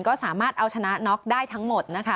ก็สามารถเอาชนะน็อกได้ทั้งหมดนะคะ